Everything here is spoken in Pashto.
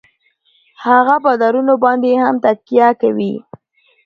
هـغـه بـادارنـو بـانـدې يـې تکيـه کـوي.